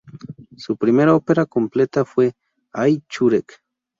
Su primera ópera completa fue "Ai-churek".